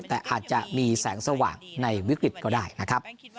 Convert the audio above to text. แต่อาจจะมีแสงสว่างในวิกฤตก็ได้นะครับ